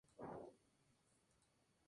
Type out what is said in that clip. El empate le volvía inalcanzable a los Rojos.